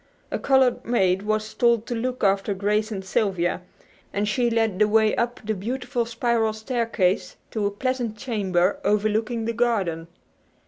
A colored maid was told to look after Grace and Sylvia, and she led the way up the beautiful spiral staircase to a pleasant chamber overlooking the garden.